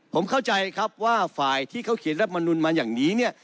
ผมเข้าใจครับว่าฝ่ายที่เขาเขียนรัฐมนุนมาอย่างนี้เนี่ย